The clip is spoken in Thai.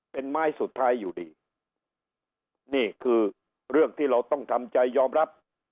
เป็นไม้สุดท้ายอยู่ดีนี่คือเรื่องที่เราต้องทำใจยอมรับ